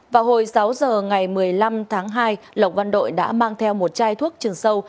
vào hồi sáu giờ ngày một mươi năm tháng hai lộc văn đội đã mang theo một chai thuốc trừ sâu